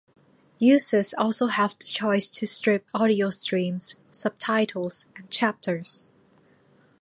Users also have the choice to strip audio streams, subtitles and chapters.